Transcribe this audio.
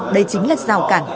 đây chính là rào cản